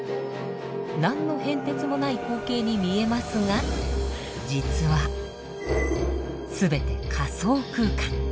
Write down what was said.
何の変哲もない光景に見えますが実は全て仮想空間。